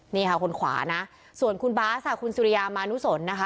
นี่ค่ะคนขวานะส่วนคุณบาสค่ะคุณสุริยามานุสนนะคะ